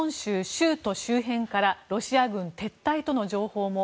州都周辺からロシア軍撤退との情報も。